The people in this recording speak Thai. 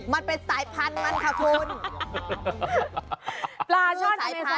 มันเป็นสายพันธุ์มันค่ะทุน